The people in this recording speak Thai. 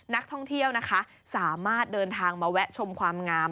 นักท่องเที่ยวนะคะสามารถเดินทางมาแวะชมความงาม